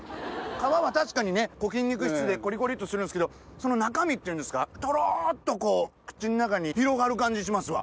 皮は確かに筋肉質でコリコリっとするんですけどその中身トロっと口の中に広がる感じしますわ。